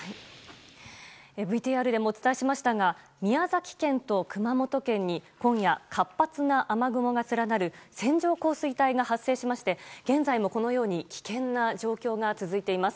ＶＴＲでもお伝えしましたが宮崎県と熊本県に今夜活発な雨雲が連なる線状降水帯が発生しまして現在もこのように危険な状況が続いています。